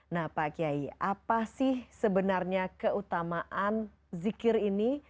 nah pak kiai apa sih sebenarnya keutamaan zikir ini